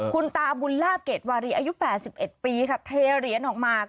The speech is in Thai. คุณตาบุญลาบเกรดวารีอายุ๘๑ปีค่ะเทเหรียญออกมา